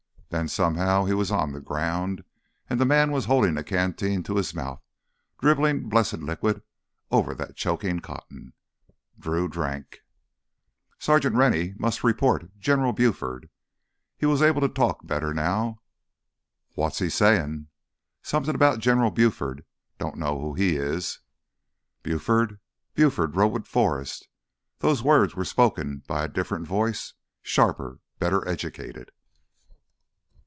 Then, somehow he was on the ground and the man was holding a canteen to his mouth, dribbling blessed liquid over that choking cotton. Drew drank. "Sergeant Rennie ... must report ... General Buford...." He was able to talk better now. "Wot's that he's sayin'?" "Somethin' 'bout some General Buford. Don't know who he is." "Buford? Buford rode with Forrest." Those words were spoken by a different voice, sharper, better educated.